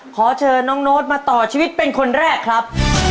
ขอเชิญน้องโน้ตมาต่อชีวิตเป็นคนแรกครับ